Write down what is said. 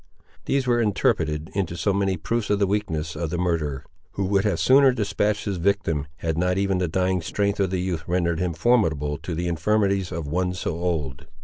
These were interpreted into so many proofs of the weakness of the murderer, who would have sooner despatched his victim, had not even the dying strength of the youth rendered him formidable to the infirmities of one so old.